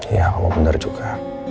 iya kamu benar juga